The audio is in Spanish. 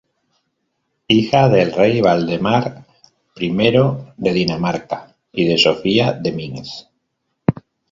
Hija del rey Valdemar I de Dinamarca y de Sofía de Minsk.